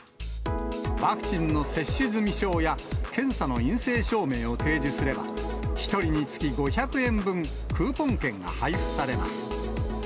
ワクチンの接種済証や検査の陰性証明を提示すれば、１人につき５００円分、クーポン券が配布されます。